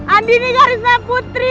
andi ini karisma putri